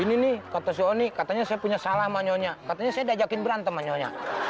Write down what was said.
ini nih kata sony katanya saya punya salah maunya katanya saya diajakin berantem maunya